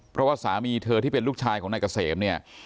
เพราะว่าสามีเธอที่เป็นลูกชายของนายเกษมเนี่ย